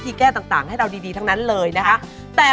ถูกต้องของดีต้องบอกต่อ